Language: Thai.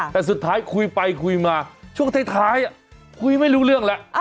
แต่สุดท้ายคุยไปคุยมาช่วงท้ายคุยไม่รู้เรื่องแล้ว